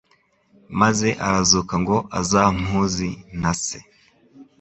maze arazuka ngo azampuzi na se